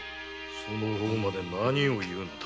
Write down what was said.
その方まで何を言うのだ。